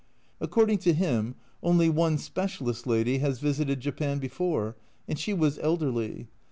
According to him only one " specialist" lady has visited Japan before, and she was elderly.